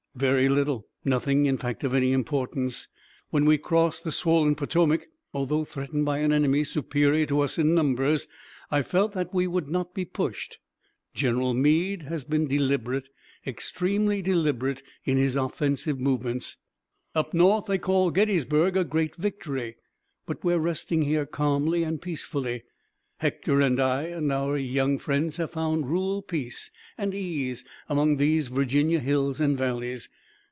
"Very little. Nothing, in fact, of any importance. When we crossed the swollen Potomac, although threatened by an enemy superior to us in numbers, I felt that we would not be pushed. General Meade has been deliberate, extremely deliberate in his offensive movements. Up North they call Gettysburg a great victory, but we're resting here calmly and peacefully. Hector and I and our young friends have found rural peace and ease among these Virginia hills and valleys.